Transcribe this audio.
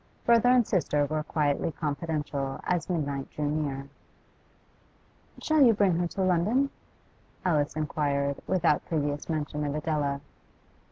Brother and sister were quietly confidential as midnight drew near. 'Shall you bring her to London?' Alice inquired, without previous mention of Adela.